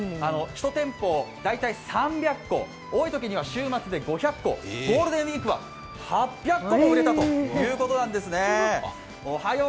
１店舗、大体３００個、多いときには週末で５００個ゴールデンウイークは８００個も売れたということなんですね。